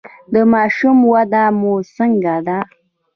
د ماشوم وده مو څنګه ده؟